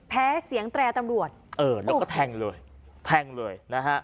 แพ้เสียงแตรตำรวจแล้วก็แทงเลย